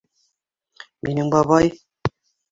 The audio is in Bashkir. «Минең бабай»!..